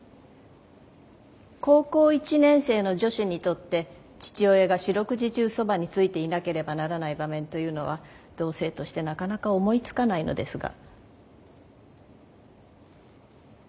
高校１年生の女子にとって父親が四六時中そばについていなければならない場面というのは同性としてなかなか思いつかないのですが。